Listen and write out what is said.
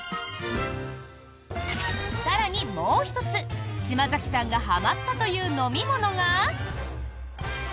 更にもう１つ、島崎さんがはまったという飲み物が。